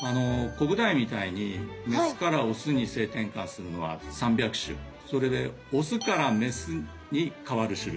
コブダイみたいにメスからオスに性転換するのは３００種それでオスからメスに変わる種類これは５０種類ぐらい。